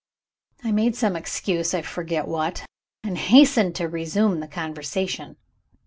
I made some excuse I forget what and hastened to resume the conversation.